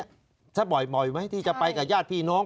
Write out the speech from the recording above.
สักบ่อยไหมที่จะไปกับญาติพี่น้อง